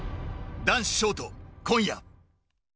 男子ショート、今夜。